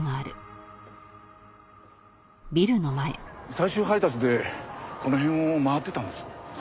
最終配達でこの辺を回ってたんです。